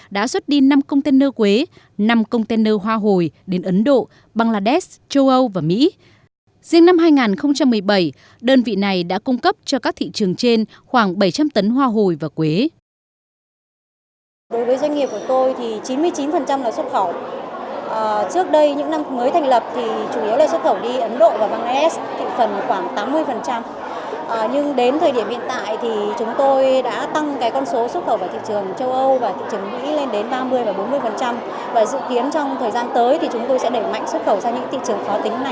và dự kiến trong thời gian tới thì chúng tôi sẽ đẩy mạnh xuất khẩu ra những thị trường khó tính này lên tới bảy mươi tám mươi còn lại là những thị trường thấp cấp và trung cấp